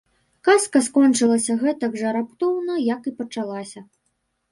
Казка скончылася гэтак жа раптоўна, як і пачалася.